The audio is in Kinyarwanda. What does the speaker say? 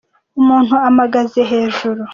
Umuntu amagaze hejuru.